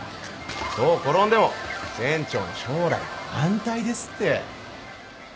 どう転んでも店長の将来は安泰ですって